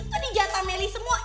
atau dijatameli semua